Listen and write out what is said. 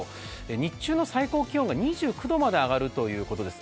日中の最高気温が２９度まで上がるということです。